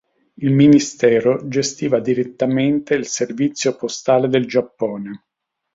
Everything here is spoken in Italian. Il ministero gestiva direttamente il servizio postale del Giappone.